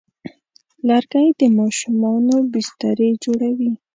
لرګی د ماشومانو بسترې جوړوي.